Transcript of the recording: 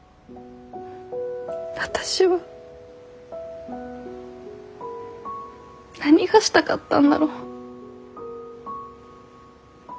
私は何がしたかったんだろう。